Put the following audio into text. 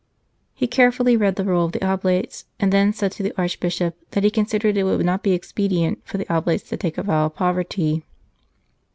He carefully read the Rule of the Oblates, and then said to the Archbishop that he considered it would not be expedient for the Oblates to take a vow of poverty.